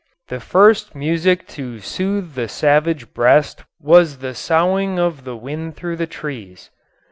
The first music to soothe the savage breast was the soughing of the wind through the trees.